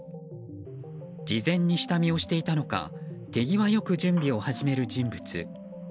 事前に下見をしていたのか手際よく準備を始める人物。